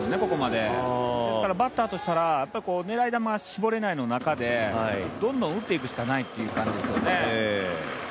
ですから、バッターとしては狙い球を絞れない中でどんどん打っていくしかないという感じですよね。